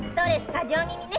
過剰気味ね。